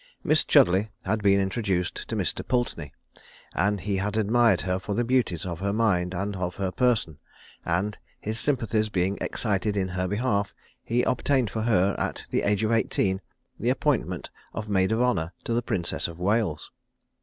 Miss Chudleigh had been introduced to Mr. Pulteney; and he had admired her for the beauties of her mind and of her person; and, his sympathies being excited in her behalf, he obtained for her, at the age of eighteen, the appointment of maid of honour to the Princess of Wales.